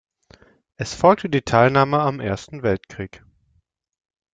Es folgte die Teilnahme am Ersten Weltkrieg.